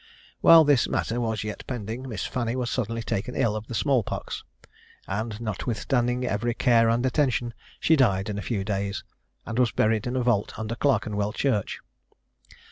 While this matter was yet pending, Miss Fanny was suddenly taken ill of the small pox, and, notwithstanding every care and attention, she died in a few days, and was buried in a vault under Clerkenwell church.